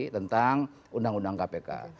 tentang undang undang kpk